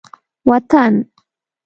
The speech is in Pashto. وطن